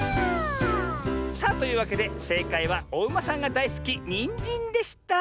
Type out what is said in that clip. さあというわけでせいかいはおうまさんがだいすきニンジンでした。